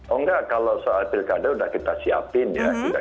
oh nggak kalau soal pilkada udah kita siapin ya